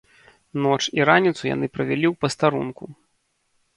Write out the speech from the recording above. Ноч і раніцу яны правялі ў пастарунку.